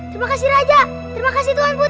terima kasih raja terima kasih tuhan putri